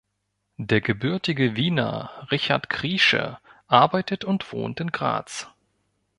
Der gebürtige Wiener Richard Kriesche arbeitet und wohnt in Graz.